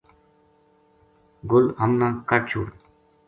گل ہمناں کڈھ چھُڑ